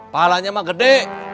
palanya mah gede